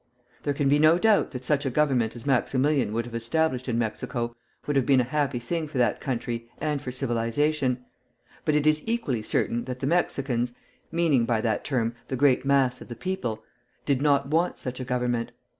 There can be no doubt that such a government as Maximilian would have established in Mexico would have been a happy thing for that country and for civilization; but it is equally certain that the Mexicans (meaning by that term the great mass of the people) did not want such a government.